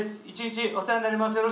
一日お世話になります。